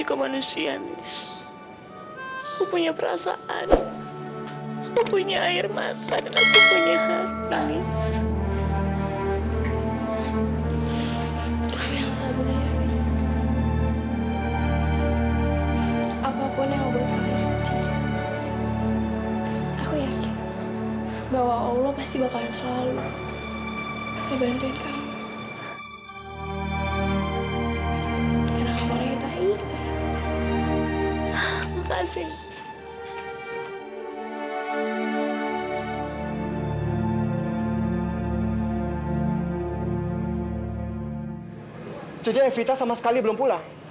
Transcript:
kalau sampai aku ketemu sama orang tua kandung aku